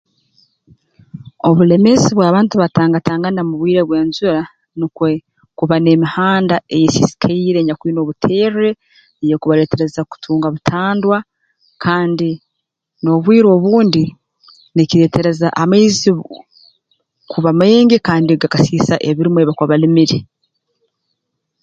Obuleemezi bw'abantu batangatangana mu bwire bw'enjura nukwe kuba n'emihanda eyeesisikaire enyakwine obuterre eyeekubaleetereza kutunga butandwa kandi n'obwire obundi nikireetereza amaizi kuba maingi kandi gakasiisa ebirimwa ebi bakuba balimire